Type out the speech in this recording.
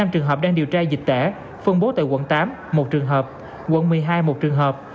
năm trường hợp đang điều tra dịch tễ phân bố tại quận tám một trường hợp quận một mươi hai một trường hợp